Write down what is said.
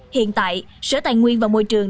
hiện tại sở tài nguyên và môi trường